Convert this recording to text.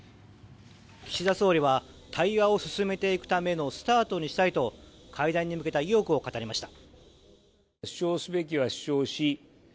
岸田総理は対話を進めていくためのスタートにしたいと会談に向けた意欲を語りました。